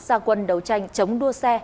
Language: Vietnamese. gia quân đấu tranh chống đua xe